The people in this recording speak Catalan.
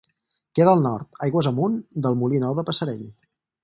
Queda al nord, aigües amunt, del Molí Nou de Passerell.